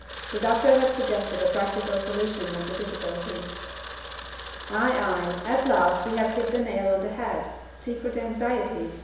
The doctor had suggested a practical solution of the difficulty. "Ay! ay! At last we have hit the nail on the head! Secret anxieties.